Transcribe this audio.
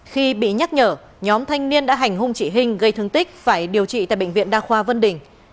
khi bị nhắc nhở nhóm thanh niên đã hành hung chị hinh gây thương tích phải điều trị tại bệnh viện đa khoa vân đình